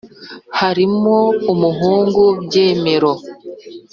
barimo umuhungu byemero